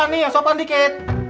orang tua nih yang sopan dikit